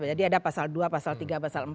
jadi ada pasal dua pasal tiga pasal empat